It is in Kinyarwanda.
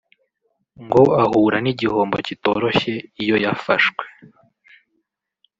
ngo ahura n’igihombo kitoroshye iyo yafashwe